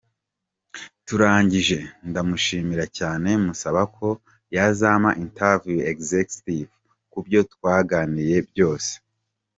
Turangije, ndamushimira cyane, musaba ko yazampa interview excusif ku byo twaganiye byose.